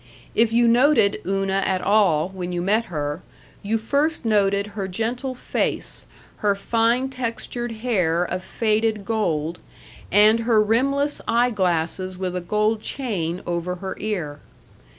If you noted Una at all, when you met her, you first noted her gentle face, her fine textured hair of faded gold, and her rimless eye glasses with a gold chain over her ear.